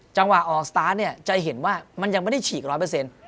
จังหวะออกสตาร์ทเนี่ยจะเห็นว่ามันยังไม่ได้ฉีกร้อยเปอร์เซ็นต์